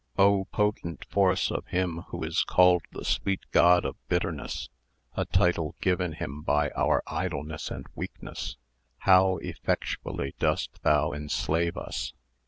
O potent force of him who is called the sweet god of bitterness—a title given him by our idleness and weakness—how effectually dost thou enslave us!